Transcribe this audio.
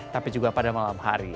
tapi juga pada malam hari